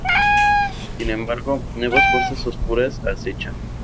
Sin embargo, nuevas fuerzas oscuras acechan.